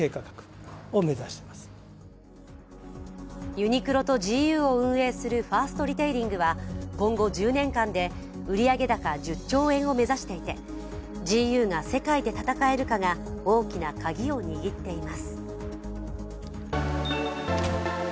ユニクロとＧＵを運営するファーストリテイリングは、今後、１０年間で売上高１０兆円を目指していてＧＵが世界で戦えるかが大きなカギを握っています。